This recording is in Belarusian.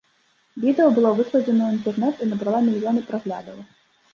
Відэа было выкладзена ў інтэрнэт і набрала мільёны праглядаў.